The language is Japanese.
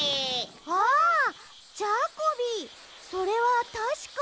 あっジャコビそれはたしか。